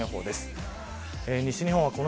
週間予報です。